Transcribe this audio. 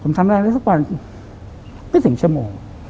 ก็ผมทำได้แรงได้สักวันก็ถึงชั่วโมง